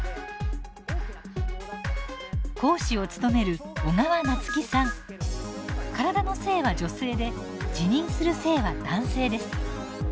講師を務める体の性は女性で自認する性は男性です。